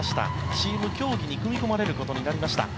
チーム競技に組み込まれることになりました。